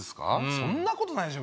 そんなことないでしょ